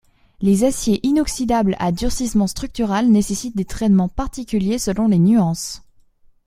Les aciers inoxydables à durcissement structural nécessitent des traitements particuliers selon les nuances.